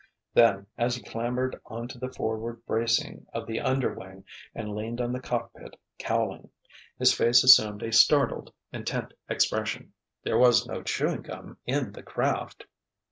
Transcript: Then, as he clambered onto the forward bracing of the under wing and leaned on the cockpit cowling, his face assumed a startled, intent expression. There was no chewing gum in the craft!